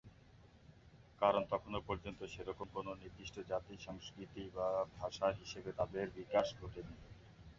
কারণ তখনও পর্যন্ত সেরকম কোনও নির্দিষ্ট জাতি, সংস্কৃতি বা ভাষা হিসেবে তাদের বিকাশ ঘটেনি।